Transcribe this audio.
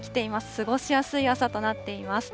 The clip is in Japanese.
過ごしやすい朝となっています。